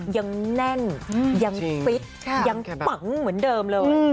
ยังแน่นยังฟิตยังปังเหมือนเดิมเลย